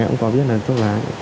em cũng có biết là thuốc lá